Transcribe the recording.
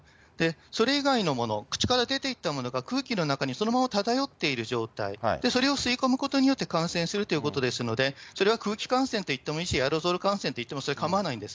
それ以外のもの、口から出ていったものが、空気の中にそのまま漂っている状態、それを吸い込むことによって感染するということですので、それは空気感染といってもいいし、エアロゾル感染といってもそれは構わないんです。